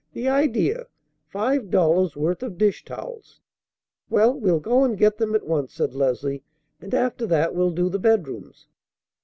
"The idea! Five dollars' worth of dish towels!" "Well, we'll go and get them at once," said Leslie; "and after that we'll do the bedrooms."